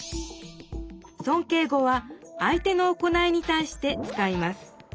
そんけい語は相手の行いにたいして使います。